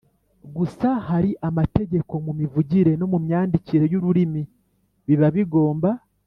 gusa hari amategeko mu mivugire no myandikire y’ururimi biba bigomba